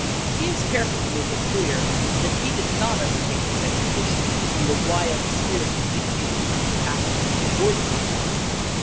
He is careful to make it clear that he did not undertake this expedition in the " wild spirit that dictated the dispatches from the War Department."